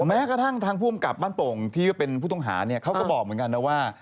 แม้กระทั่งทางภูมิกับบ้านโป่งที่เป็นผู้ต้องหาเนี่ยเขาก็บอกเหมือนกันนะว่า